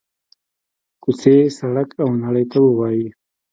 کوڅې، سړک او نړۍ ته ووايي: